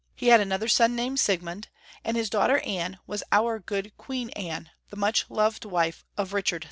He had another son named Siegmimd, and his daughter Anne was our "good Queen Anne," the much loved wife of Richard II.